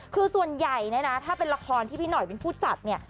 คือส่วนใหญ่เนี่ยนะถ้าเป็นละครที่พี่หน่อยเป็นผู้จัดเนี่ย